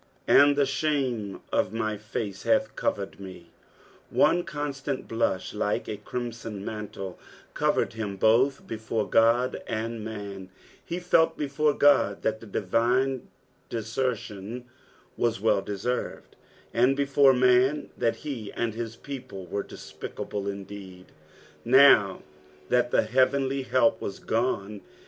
"And tie ihame of my fate hath ecvered me." One constant blusb, like a crimson mantle, covered him both before Qod and man , he felt before God that the divine desertion wna well deserred, and before man, that he and his people were despicable indeed now that heavenly help was gone.